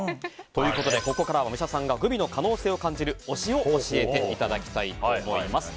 ここからは武者さんがグミの可能性を感じる推しを教えていただきたいと思います。